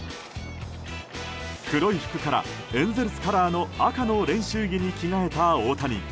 黒い服からエンゼルスカラーの赤の練習着に着替えた大谷。